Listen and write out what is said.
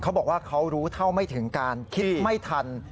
เขาบอกว่าเขารู้เท่าไม่ถึงการคิดไม่ทัน